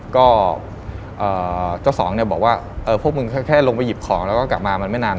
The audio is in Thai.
ก็เจ้าของเนี่ยบอกว่าพวกมึงแค่ลงไปหยิบของแล้วก็กลับมามันไม่นาน